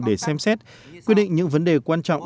để xem xét quyết định những vấn đề quan trọng